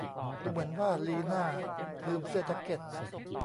ดูเหมือนว่าลีน่าลืมเสื้อแจ๊คเก็ต